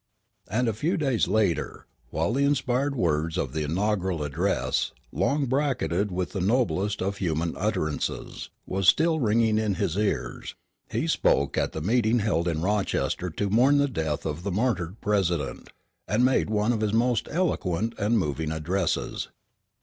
And a few days later, while the inspired words of the inaugural address, long bracketed with the noblest of human utterances, were still ringing in his ears, he spoke at the meeting held in Rochester to mourn the death of the martyred President, and made one of his most eloquent and moving addresses.